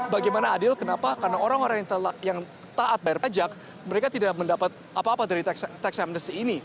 bagaimana adil kenapa karena orang orang yang taat bayar pajak mereka tidak mendapat apa apa dari tax amnesty ini